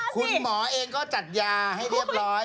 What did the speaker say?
คุณหมอเองก็จัดยาให้เรียบร้อย